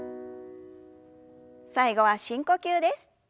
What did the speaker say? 最後は深呼吸です。